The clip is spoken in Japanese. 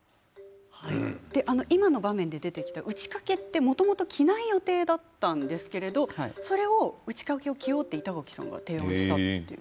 今の場面で出てきた打ち掛けってもともと着ない予定だったんですけれどそれを、打ち掛けを着ようと板垣さんが提案したと。